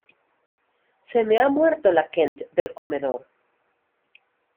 Se me ha muerto la Kent del comedor.